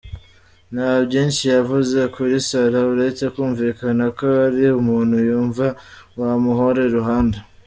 Nta byinshi yavuze kuri Sarah uretse kumvikana ko ‘ari umuntu yumva wamuhora iruhande’.